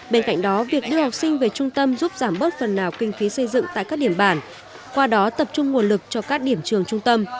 bên cạnh đó việc đưa học sinh về trung tâm giúp giảm bớt phần nào kinh phí xây dựng tại các điểm bản qua đó tập trung nguồn lực cho các điểm trường trung tâm